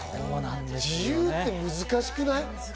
自由って難しくない？